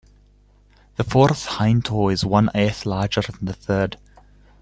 The fourth hind toe is one-eighth longer than the third.